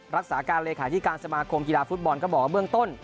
รักษาการเลขาธิการสมาคมกีฬาฟุตบอลก็บอกว่าเบื้องต้น